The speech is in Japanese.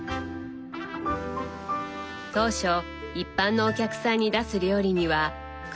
当初一般のお客さんに出す料理には苦労したそう。